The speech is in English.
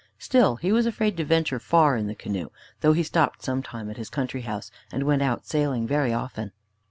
Still, he was afraid to venture far in the canoe, though he stopped some time at his country house, and went out sailing very often.